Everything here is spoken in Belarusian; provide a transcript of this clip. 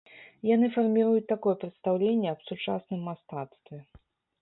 Яны фарміруюць такое прадстаўленне аб сучасным мастацтве.